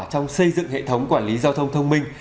trong xây dựng hệ thống quản lý giao thông thông minh